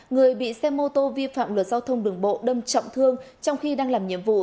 người bị xe mô tô vi phạm luật giao thông đường bộ đâm trọng thương trong khi đang làm nhiệm vụ